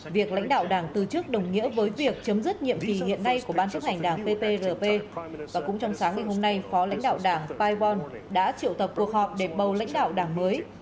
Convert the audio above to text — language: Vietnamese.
việc lãnh đạo đảng từ chức đồng nghĩa với việc chấm dứt nhiệm kỳ hiện nay của ban chấp hành đảng pprp và cũng trong sáng ngày hôm nay phó lãnh đạo đảng paibon đã triệu tập cuộc họp để bầu lãnh đạo đảng mới